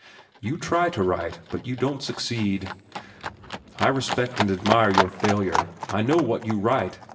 "You try to write, but you don't succeed. I respect and admire your failure. I know what you write.